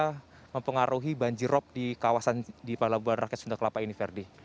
dan juga untuk air laut yang bisa mempengaruhi banjirop di kawasan di pelabuhan rakyat sunda kelapa ini ferdy